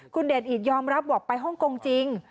คุณเดชอิตยอมรับบอกไปฮ่องกงจริง